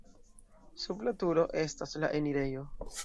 Sub la turo estas la enirejo.